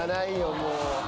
もう。